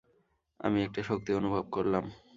আমি একটা শক্তি অনুভব করলাম।